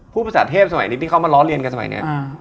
พูดภาษาเทพส่วนใหม่ถึงเข้ามาร้อเรียนกันสมัยนี้